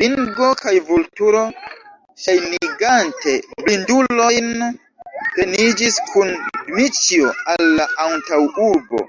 Ringo kaj Vulturo, ŝajnigante blindulojn, treniĝis kun Dmiĉjo al la antaŭurbo.